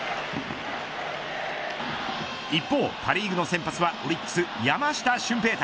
一方、パ・リーグの先発はオリックス山下舜平大。